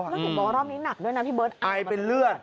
เพราะต้องเขียนบอกว่ารอบนี้หนักด้วยนะที่เบิร์ดอายเป็นเลือด